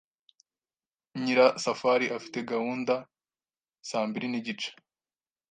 Nyirasafari afite gahunda saa mbiri nigice.